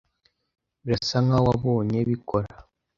Birasa nkaho wabonye bikora.